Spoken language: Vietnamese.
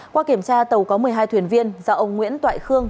qua kiểm tra tàu có một mươi hai thuyền viên do ông nguyễn toại khương